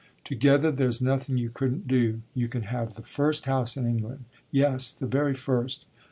Together there's nothing you couldn't do. You can have the first house in England yes, the very first!